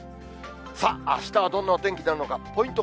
さあ、あしたはどんなお天気になるのか、ポイント